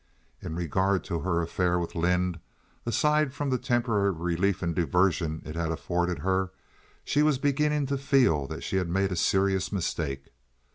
In regard to her affair with Lynde, aside from the temporary relief and diversion it had afforded her, she was beginning to feel that she had made a serious mistake.